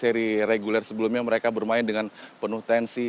seri reguler sebelumnya mereka bermain dengan penuh tensi